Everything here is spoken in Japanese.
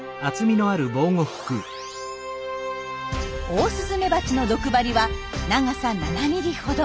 オオスズメバチの毒針は長さ７ｍｍほど。